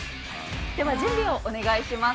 では、準備をお願いします。